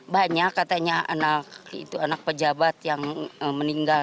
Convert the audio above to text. banyak katanya anak itu anak pejabat yang meninggal